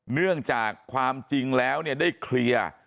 เนื่องจากความจริงแล้วเนี่ยได้เคลียร์